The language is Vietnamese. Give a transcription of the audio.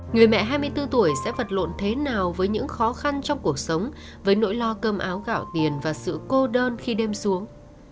người mẹ hai mươi bốn tuổi sẽ vật lộn thế nào với những khó khăn trong cuộc sống với nỗi lo cơm áo gạo tiền và sự cô đơn khi đêm xuống